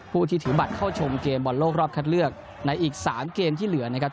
ผู้ที่ถือบัตรเข้าชมเกมบอลโลกรอบคัดเลือกในอีก๓เกมที่เหลือนะครับ